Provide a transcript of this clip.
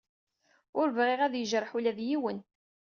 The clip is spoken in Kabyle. Ur bɣiɣ ad yejreḥ ula d yiwen.